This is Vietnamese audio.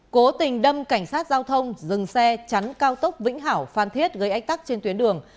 cố tình đâm cảnh sát giao thông dừng xe chắn cao tốc vĩnh hảo phan thiết gây ách tắc trên tuyến đường